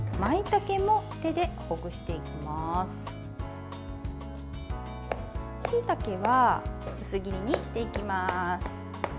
しいたけは薄切りにしていきます。